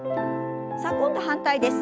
さあ今度反対です。